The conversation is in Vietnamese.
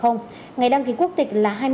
ngày đăng ký quốc tịch là